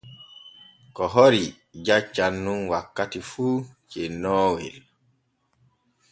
Ko horii jaccan nun wakkati fu cennoowel.